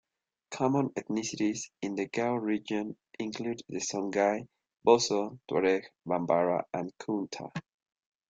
Common ethnicities in the Gao Region include the Songhai, Bozo, Tuareg, Bambara, and Kounta.